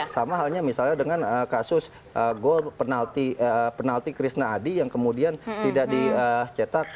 sama halnya misalnya dengan kasus gol penalti krishna adi yang kemudian tidak dicetak